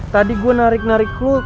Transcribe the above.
tadi gue narik narik clue